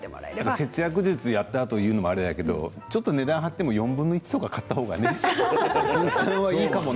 節約術をやったあとになんだけどちょっと値段が張っても４分の１のかぼちゃを買った方がいいかもね。